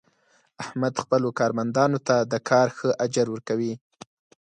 احمد خپلو کارمندانو ته د کار ښه اجر ور کوي.